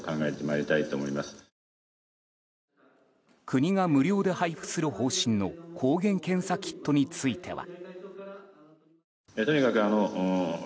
国が無料で配布する方針の抗原検査キットについては。